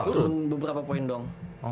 turun beberapa poin dong